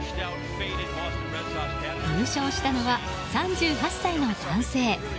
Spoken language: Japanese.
優勝したのは３８歳の男性。